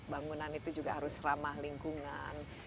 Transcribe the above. bangunan itu juga harus ramah lingkungan